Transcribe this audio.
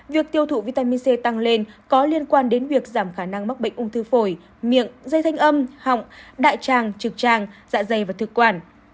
việc tiêu thụ vitamin c tăng lên có liên quan đến việc giảm khả năng mắc bệnh ung thư phổi miệng dây thanh âm họng đại tràng trực tràng dạ dày và thực quản